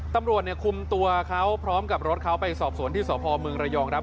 ตำรวจคุมตัวเขาพร้อมกับรถเขาไปสอบสวนที่สพเมืองระยองครับ